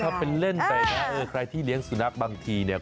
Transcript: ถ้าเป็นเล่นไปนะเออใครที่เลี้ยงสุนัขบางทีเนี่ย